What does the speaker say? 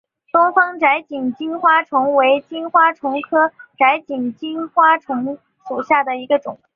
东方窄颈金花虫为金花虫科窄颈金花虫属下的一个种。